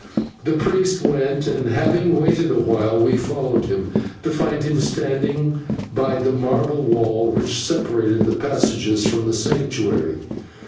The priest went, and, having waited awhile, we followed him, to find him standing by the marble wall which separated the passages from the Sanctuary.